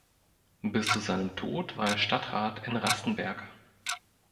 Bis zu seinem Tod war er Stadtrat in Rastenberg.